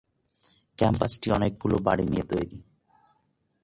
ক্যাম্পাসটি অনেকগুলি বাড়ি নিয়ে তৈরী।